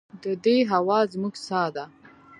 د دې هوا زموږ ساه ده؟